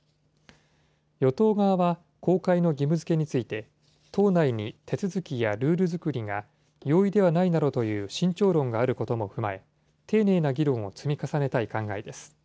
与党側は公開の義務づけについて、党内に手続きやルール作りが容易ではないなどという慎重論があることも踏まえ、丁寧な議論を積み重ねたい考えです。